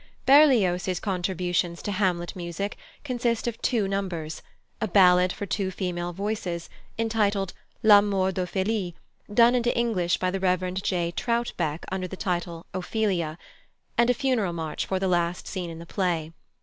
+Berlioz's+ contributions to Hamlet music consist of two numbers: a ballad for two female voices, entitled "La mort d'Ophélie," done into English by the Rev. J. Troutbeck under the title "Ophelia"; and a funeral march for the last scene in the play.